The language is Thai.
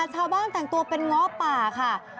ชาวบ้านแต่งตัวเป็นง้อป่าค่ะ